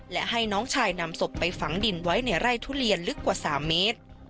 และให้น้องชายนำศพไปฝังดินไว้ในไร่ทุเรียนลึกกว่า๓เมตร